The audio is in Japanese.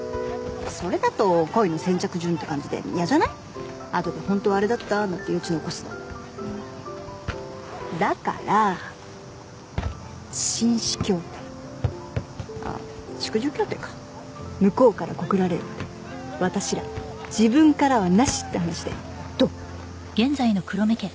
それだと恋の先着順って感じで嫌じゃないあとで本当はあれだったなんて余地だから紳士協定あっ淑女協定か向こうから告られるまで私ら自分からはなしって話でどう？